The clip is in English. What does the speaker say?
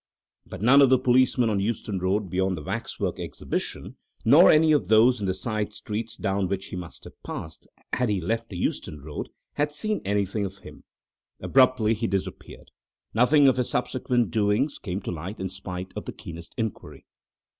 But none of the policemen on Euston Road beyond the Waxwork Exhibition, nor any of those in the side streets down which he must have passed had he left the Euston Road, had seen anything of him. Abruptly he disappeared. Nothing of his subsequent doings came to light in spite of the keenest inquiry.